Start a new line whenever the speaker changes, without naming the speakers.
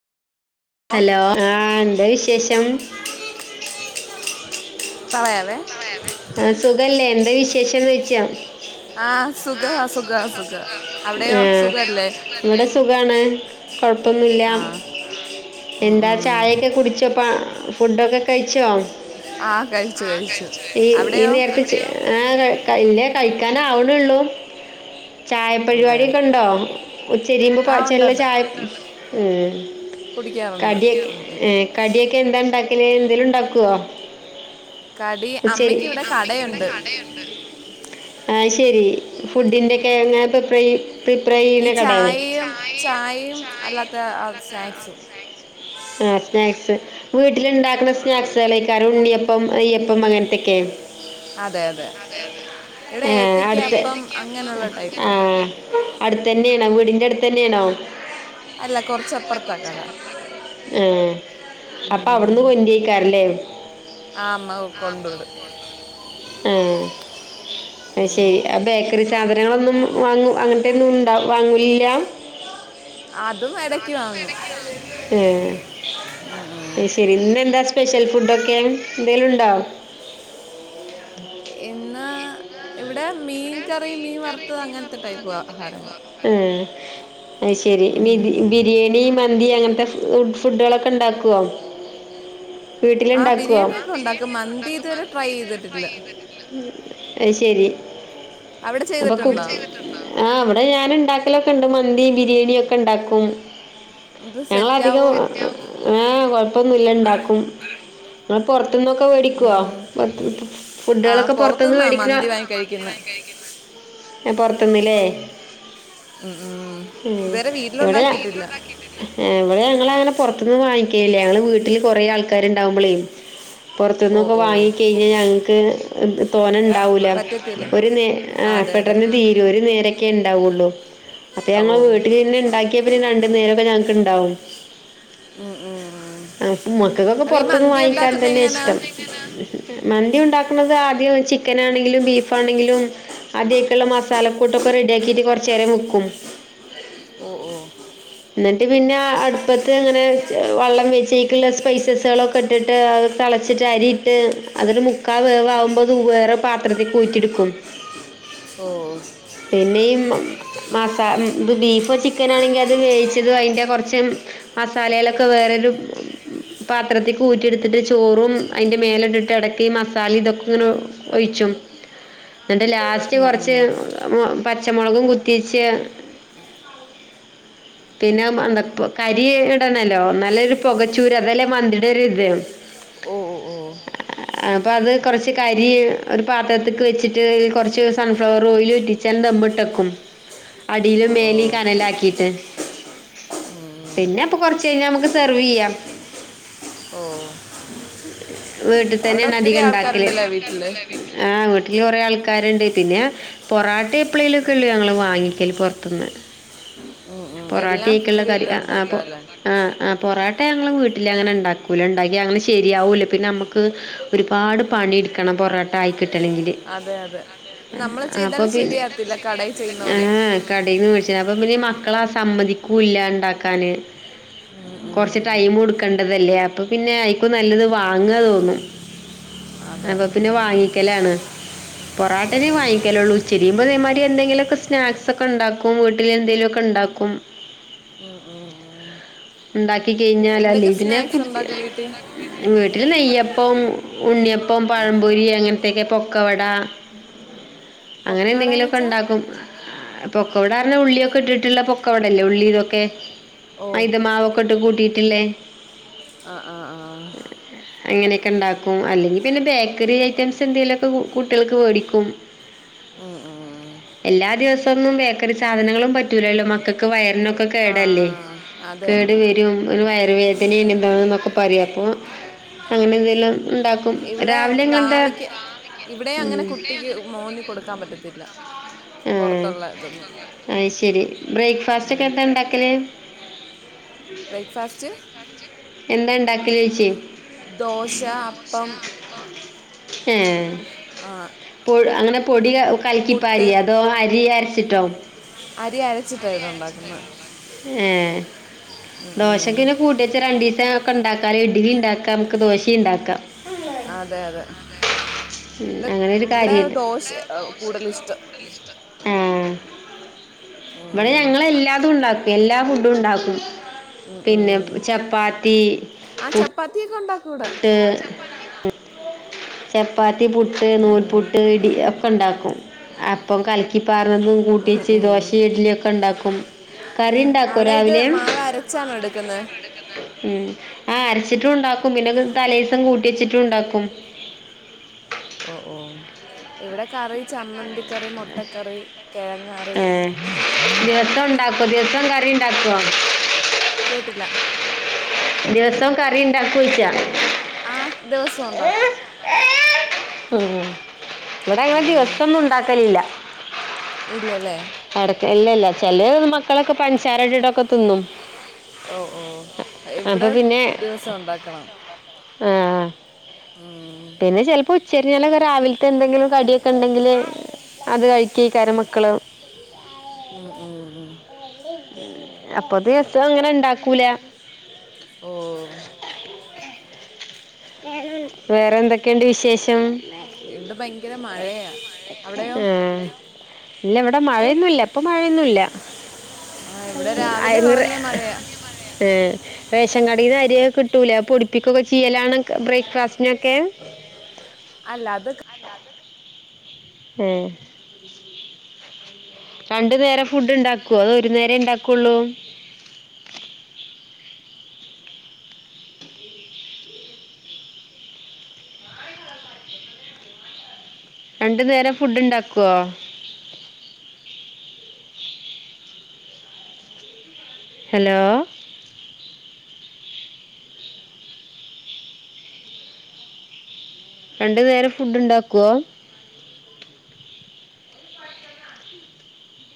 ഓ
hello ആ എന്താ വിശേഷം
പറയാവേ
സുഖല്ലേ എന്താ വിശേഷം ചോദിക്കുവാ
ആ സുഖ
ആ
സുഖ
സുഖാ
സുഖ
സുഖാ
അവിടെയോ
ആ അവിടയോ
സുഖല്ലേ
ഇവടെ സുഖാണ് കൊയപ്പൊന്നുല്ല
ആ ഉം,
എന്താ
ഉം.
ചായൊക്കെ കുടിച്ചോപ്പോ ഫുഡ്‌ ഒക്കെ കൈ
ആ കഴിച്ചു, കഴിച്ചു അവിടെയോ
ഈനേരത്ത് ചേ ഏയ് [unintelligible] ഇല്ല കഴിക്കാൻ ആവുന്നുള്ളു ചായ
അതെ
പരുപാടി ഒക്കെ ഉണ്ടോ [inaudible] ഉം
ആ ഉണ്ട് ഉണ്ട് കുടിക്കാറുണ്ട്
കടി
ഉം. ഉം.
കടി എന്താ ഉണ്ടാക്കിനെ എന്തേലും ഉണ്ടാക്കോ?
[inaudible]
അപ്പൊ ശരി
അമ്മയ്ക്ക് ഇവിടെ കടയുണ്ട്
അയ് ശെരി ഫുഡിന്റെക്കെ ഇങ്ങ പ്രിപ്രേയ്
ഈ ചായയും ചായയും അല്ലാത്ത സ്നാക്ക് സും
ആഹ് സ്നാക്സ് വീട്ടില് ഇണ്ടാക്കണ സ്നക്സ്കളായികാരം ഉണ്ണിയപ്പം നെയ്യപ്പം അങ്ങനെതെക്കെ
അതെ അതെ ഇവിടെ
ആഹ്
ഏത്തയ്ക്ക
അടുത്തേ
അപ്പം അങ്ങനെയുള്ള ടൈപ്പാ
ആഹ് അടുത്തെന്നെയാണോ വീടിന്റെ അടുത്തന്നെയാണോ
അല്ല കൊറച്ചപ്പറത്ത കട
ആഹ് അപ്പ അവിട്ന്ന്
ഉം.
കൊണ്ടരികാരും ല്ലേ
ആ അമ്മ കൊണ്ടുവിടും
ആഹ് അയ് ശെരി ആ ബേക്കറി സാധനങ്ങൾ ഒന്നും വാങ്ങും അങ്ങനെത്തെ ഒന്നും ഉണ്ടാവു വാങ്ങുലില്ല
അതും എടക്ക് വാങ്ങും
ഉം അയ് ശെരി ഇന്ന് എന്താ സ്പെഷ്യൽ ഫുഡോക്കെ ക്കെ എന്തെലുണ്ടോ
എന്നാ ഇവിടെ മീൻ കറി മീൻ വറുത്തത് അങ്ങനെത്തെ ടൈപ്പ് ആഹാരങ്ങള്
ഉം അയ് ശെരി ഇനി ബിരിയെണി മന്തി അങ്ങനത്തെ ഫു ഫുഡ്കളെക്കെ ഇണ്ടാക്കോ
ആ ബിരിയാണിയൊക്കെ ഉണ്ടാക്കും മന്തി ഇത് വരെ ട്രൈ ചെയ്തിട്ടില്ല.
അത് ശരി
അവിടെ
അപ്പൊ കു
ചെയ്തിട്ടുണ്ടോ
ആഹ് ഇവടെ ഞാൻ ഇണ്ടാ ക്കലൊക്കെ ഇണ്ട് മന്തിം ബിരിയെണി ഒക്കെ ഇണ്ടാക്കും.
ഇത്
ഞങ്ങൾ അതികം
സെറ്റാവോ
ഏ കുഴപ്പൊന്നുല ഇണ്ടാക്കും. ഇങ പോറത്തുന്നൊക്കെ വേടിക്കോ? പുറത്ത് ന്ന്.
ആ
ഫുഡ്കളൊക്കെ പൊറത്ത്ന്നു
പുറത്തുനിന്നാ
വേടിക്ണ
മന്തി വാങ്ങി കഴിക്കുന്നത്
എ പൊറത്ത്ന്ന് ലേ. ഉം
ഇതുവരെ
ഇവിടെ ഞ
വീട്ടിലുണ്ടാക്കിയിട്ടില്ല
ഇവിടെ ഞങ്ങളങ്ങനെ പൊറ ത്ത്ന്ന് വാങ്ങിക്കേല്യാ. ഞങ്ങളെ വീട്ടില് കൊറേ ആൾകാര് ഇണ്ടാവുമ്പളെ
ഓ
പൊറത്തുന്നൊക്കെ
ഓ
വാങ്ങി കെയിഞ്ഞാ ഞങ്ങ്ക്ക് തോനെ ഇണ്ടാവൂല.
പറ്റത്തില്ല
ഒരു നേ
ആ,
ആഹ്
അതെ അതെ
പെട്ടന്ന് തീരും ഒരു നേരക്കെ ഇണ്ടാവുള്ളു അപ്പോ
ഓ
ഞങ്ങള് വീട്ടില് തന്നെ ഇണ്ടാക്കിയാ പിന്നെ രണ്ട് നേ രക്കെ ഞങ് ക്ക് ഇണ്ടാവും.
ഉം, ഉം, ഉം.
[unintelligible] മക്കക്കൊക്കെ
അപ്പൊ ഈ
പൊറത്തുന്ന്
മന്തി
വാങ്ങിക്കാൻ
ഉണ്ടാക്കുന്ന
തന്നെയാ
എങ്ങനാ
ഇഷ്ടം. മന്തി ഇണ്ടാക്ണത് ആദ്യം ചിക്കൻ ആണെങ്കിലും ബീഫ് ആണെങ്കിലും ആദ്യ അയ്ക്ള്ള മസാല കൂട്ടൊക്കെ റെഡി ആക്കിട്ട് കൊറച്ചേരം വെക്കും.
ഓ ഓ
ഇന്നട്ട് പിന്നെ അടുപ്പത്ത് ഇങ്ങനെ വള്ളം വെച്ച് അയിക്ള്ളെ സ്‌പൈസസേളൊക്കെ ഇട്ടിട്ട് അത് തെളച്ചിട്ട് അരി ഇട്ട് അത് ഒരു മുക്കാ വേവ് ആവുമ്പോ അത് ഒരു വേറെ പത്രത്തിക്ക് ഊറ്റി ട്ക്കും.
ഓ
പിന്നെ ഇ മസാ ബീഫോ ചിക്കനോ ആണെങ്കി അത് വേവിച്ചതും അതിന്റെ കൊറച്ച് മസാലളൊക്കെ വേറെ ഒരു പാത്രത്തിക്ക് ഊറ്റി എടുത്തിട്ട് ചോറും അതിന്റെ മേലെ ഇട്ടിട്ട് എടക്ക് മസാല ഇതൊക്കെ ഒയിച്ചും എന്നിട് ലാ റ്റ്
ഉം,
കൊറച്ച്
ഉം.
പച്ചമോളകും കുത്തിവെച്ച് പിന്നെ മന്ത കരി ഇടണോല്ലോ എന്നാലേ ഒരു പുക ചൂര് അതല്ലേ മന്തിയുടെ ഒരിത്.
ഓ ഓ ഓ
അപ്പം അത് കുറച്ച് കരി ഒരു പാത്രത്തിലേക്ക് വച്ചിട്ട് കുറച്ച് സൺ ഫ്ലവർ ഓയിൽ ഇറ്റിച്ച് ദം ഇട്ട് വക്കും. അടിയിലും
ഓ ഓ
മേലിലും കനലാക്കിയിട്ട്.
ഉം.
പിന്നെ അപ്പം കൊറച്ച് കഴിഞ്ഞാ നമ്മുക്ക് സെർവ് ചെയ്യാം
ഓ
വീട്ടി
അവിടെ
ഇതന്നെയാണ്
ഒത്തിരി
അധികം ഇണ്ടാക്കല് ഒത്തിരി ആൾക്കാർ
ആൾക്കാരുണ്ടല്ലേ
ഉണ്ടല്ലേ
വീട്ടില്
വീട്ടിൽ ആ വീട്ടിൽ കുറേ ആൾക്കാർ ഉണ്ട് പിന്നെ പൊറോട്ട എപ്പളേലും ഒക്കെ അല്ലേ നമ്മൾ വാങ്ങിക്കല് പൊറത്തുന്ന്.
ഉം, ഉം. എല്ലാം
പൊറോട്ടയ്ക്കുള്ള
ഫുഡ്
കറി
വീട്ടിൽ
ആ അപ്പൊ
ഉണ്ടാക്കാല്ലേ
ആ പൊറോ റോട്ട ഞങ്ങൾ വീട്ടിലങ്ങനെ ഉണ്ടാക്കൂല ഉണ്ടാക്കിയാൽ അത് ശരിയാവൂല പിന്നെ നമുക്ക് ഒരുപാട് പണിയെടുക്കണം പൊറോട്ട ആയി കിട്ടണമെങ്കില്
അതെ അതെ
അതേ
നമ്മൾ
അതേ
ചെയ്താൽ
അപ്പം പിന്നെ
ശരിയാകത്തില്ല കടയിൽ ചെയ്യുന്ന
ആ
പോലെ
കടയിൽ നിന്ന് വേടിച്ച് പ്പം പിന്നെ മക്ക മക്കള് സമ്മതിക്കൂല ഉണ്ടാക്കാനായിട്ട്
ഉം, ഉം,
കുറച്ച്
ഉം.
ടൈമ് കൊടുക്കേണ്ടതല്ലേ അപ്പോൾ പിന്നെ അയ്ക്കും നല്ലത് വാങ്ങുകാ തോന്നും.
അതെ
അപ്പോ പിന്നെ വാങ്ങിക്കലാണ്. പൊറോട്ടേനെ വാങ്ങിക്കലുള്ളൂ [unintelligible] ഇതേ മാതിരി എന്തെങ്കിലും ഒക്കെ സ്നാക്സ് ഒക്കെ ഉണ്ടാക്കും വീട്ടിലെന്തേലും ഒക്കെ ഉണ്ടാക്കും
ഉം, ഉം, ഉം.
ഉണ്ടാക്കി തിന്നാലല്ലേ
എന്തൊക്കെ
ഇതിനെയൊക്കെ
സ്നാക്സ് ഉണ്ടാക്കും വീട്ടിൽ
വെട്ടി ഇത്തിരി നെയ്യപ്പം ഉണ്ണിയപ്പം പഴംപൊരി അങ്ങനത്തെയൊക്ക പൊക്കവട അങ്ങനെ
പൊക്കവട
എന്തെങ്കിലും
എന്ന്
ഒക്കെ
വെച്ചാ
ഉണ്ടാക്കും പൊക്കവടാന്ന് പറഞ്ഞ ഉള്ളിയൊക്കെ ഇട്ടിട്ട് ള്ള പൊക്കവടയല്ലേ ഉള്ളിയിതുവൊക്കെ
ഓ
മൈദ മാവ് ഒക്കെ ഇട്ട് കൂട്ടി വീട്ടിലെ
ആ ആ ആ
അങ്ങനെയൊക്കെ ഉണ്ടാക്കും അല്ലെങ്കിൽ പിന്നെ ബേക്കറി ഐറ്റംസ് എന്തേലും ഒക്കെ കു കുട്ടികൾക്ക് വേടിക്കും.
ഉം, ഉം.
എല്ലാ ദിവസവും ഒന്നും ബേക്കറിസാധനങ്ങളും പറ്റ റ്റൂലല്ലോ മക്കക്ക് വയറിനൊക്കെ
ആ
കേടല്ലേ
അതെ
കേട് വരും ഓല് വയറ് വേദനിം എന്താന്നൊക്കെ പറയും അപ്പോ അങ്ങനെന്തേലും
ഇവിടെ വാവയ്ക്ക്
ഇവിടെ
ഇവിടേം അങ്ങനെ കുട്ടിക്ക് മോന് കൊടുക്കാൻ പറ്റത്തില്ല പൊറത്തുള്ള ഇതൊന്നും
രി ബ്രേക്ക്ഫാസ്റ്റ് ഒക്കെ എന്താ ഇണ്ടാക്കല്
ബ്രേക്ക്ഫാസ്റ്റ്
എന്താ ഇണ്ടാക്കലോയ്ച്ചെ
ദോശ
ദോശ
അപ്പം
അപ്പം എഹ്
ആ,
പൊട് അങ്ങനെ പൊടി യ കലക്കി
പുട്ട്
പാരിയെ അതോ അരി അരച്ച് ഇറ്റോ
അരി അരച്ചിട്ടാണ്
അരി
ഇവിടെ
അരച്ച്
ഉണ്ടാക്കുന്നത്
കഴിഞ്ഞു ഏഹ് ദോശക്ക് പിന്നെ കൂട്ടി വെച്ചാ രണ്ടീസം റ്റാ ഒക്കെന ഇണ്ടാക്കാലോ ഇഡ്ഡലി ഇണ്ടാക്കാം നമുക്ക് ദോശേം ഇണ്ടാക്കാം
അതെ അതെ
ഉം
വിടെ
അങ്ങനെ ഒരു
ഇവിടെ
കാര്യണ്ട്
ദോശയാ കൂടുതൽ ഇഷ്ടം
ഇവടെ
ആ,
ഞങ്ങളെല്ലാതും ഉണ്ടാക്കും എല്ലാ ഫുഡും ഉണ്ടാക്കും.
ഉം, ഉം.
പിന്നെ പ് ചപ്പാത്തി
ആ ചപ്പാത്തിയൊക്കെ ഉണ്ടാക്കും ഇവിടെ
ട്ട് ചെപ്പാ ത്തി പുട്ട്
ഉം,
നൂൽപുട്ട് ഇടി ഒക്കെ ഉണ്ടാക് അപ്പം കൽക്കി പാ ന്നും
ഉം,
കൂട്ടീച്ച്
ഉം.
ദോശേം ഇഡ്ഡലീം ഒക്കെ ഉണ്ടാക്കും. പോം
അവിടെ ഇത് മാവ് അരച്ചാണോ എടുക്കുന്നേ?
ഉം. ആ അരച്ചിട്ട് ഉണ്ടാക്കും പിന്നൊക്കെ തലേസം കൂട്ടീച്ചിട്ടുണ്ടാക്കു.
ഒ ഓഹ് ഇവിടെ കറി ചമ്മന്തി ക്കറി മുട്ടക്കറി കെഴങ്ങറി
ട്ടാക്കോ ദിവസം കാറിണ്ടാക്കോ?
കേട്ടില്ല
ദിവസം കറിണ്ടാക്കോയ്ച്ചാ
ആഹ് ദിവസോണ്ടാക്കു
ഇവിടെങ്ങനെ ദിവസൊന്നുണ്ടാക്കല് ല്ല
ഇല്ലല്ലേ
എടയ്ക്ക് ല്ലില്ല ചെലേ മക്കളൊക്കെ പൻസാര ഇട്ടിട്ടൊക്കെ തിന്നും
ഓ ഓ ഇവിടെ
അപ്പൊ പിന്നെ
ദിവസം ഉണ്ടാക്കണം
ആ
ഉം.
പിന്ന ചെലപ്പോ ഉച്ച ശരിയാണ് വരാവിൽത്തെന്തെങ്കിലും കടിയൊക്കെ ഉണ്ടെങ്കില് അത് കഴിക്കുഐക്കാരം മക്കള്
ഉം ഉം ഉം
അപ്പൊ ദിവസം അങ്ങനെ ഇണ്ടാക്കൂല
ഓ
വേറെ എന്തൊക്കെയുണ്ട് വിശേഷം
ഇവിടെ ഭയങ്കര മഴയാ
ഭയങ്കര മഴേണ്
അവിടെയോ
ഏ ഇല്ല ഇവിടെ മഴയൊന്നുല്ല ഇപ്പൊ മഴയൊന്നൂല്ല.
ആ ഇവിടെ
അയ്
രാവിലെ
നിറെ
തുടങ്ങിയ മഴയാ
ഏ റേഷൻ കടീന്ന് അരിയൊക്കെ കിട്ടൂലേ അത് പൊടിപ്പിക്കലൊക്കെ ചെയ്യലാണ് ക ബ്രേക്‌ഫാസ്റ്റ്
അല്ല അതൊക്കേ
ഉം രണ്ടു നേരം ഫുഡ് ഉണ്ടാക്കോ? അതോ ഒരു നേരേണ്ടാക്കൊള്ളോ? രണ്ടു നേരം ഫുഡ് ഉണ്ടാക്കോ? ഹലോ രണ്ടു നേരം ഫുഡ് ഉണ്ടാക്കോ